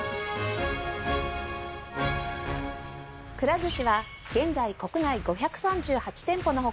くら寿司は現在国内５３８店舗の他